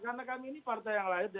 karena kami ini partai yang lain